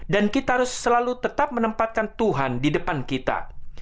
dan kita harus selalu tetap menempatkan tuhan di depan kita